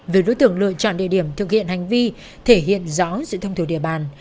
vì đối tượng lựa chọn địa điểm thực hiện hành vi thể hiện rõ sự thông thủ địa bàn